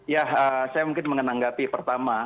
ya saya mungkin menanggapi pertama